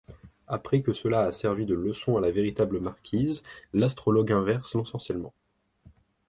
Après que cela a servi de leçon à la véritable marquise, l'astrologue inverse l'ensorcellement.